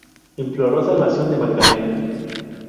Imploró salvación de Magdalena.